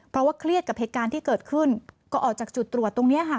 เพราะว่าเครียดกับเหตุการณ์ที่เกิดขึ้นก็ออกจากจุดตรวจตรงนี้ค่ะ